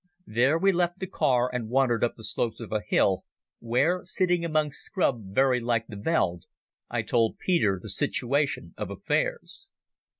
There we left the car and wandered up the slopes of a hill, where, sitting among scrub very like the veld, I told Peter the situation of affairs.